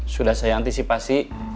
sudah saya antisipasi